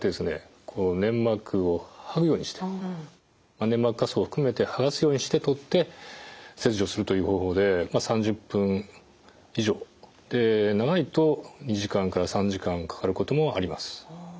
粘膜を剥ぐようにして粘膜下層を含めて剥がすようにして取って切除するという方法で３０分以上長いと２時間から３時間かかることもあります。